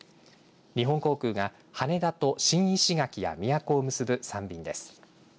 日本航空が羽田と新石垣や宮古を結ぶ３便です。